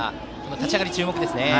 立ち上がり、注目ですね。